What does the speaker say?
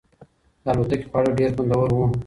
د الوتکې خواړه ډېر خوندور وو.